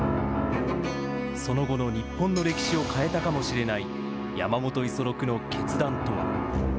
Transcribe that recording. その後の日本の歴史を変えたかもしれない山本五十六の決断とは。